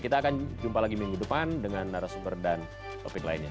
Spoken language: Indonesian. kita akan jumpa lagi minggu depan dengan narasumber dan topik lainnya